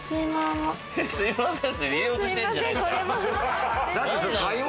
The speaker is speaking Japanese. すいません。